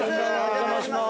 お邪魔します。